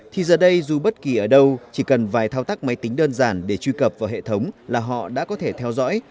thì giờ đây dù bất kỳ ở đâu chỉ cần vài thao tác máy tính đơn giản để truy cập vào hệ thống là họ đã có thể theo dõi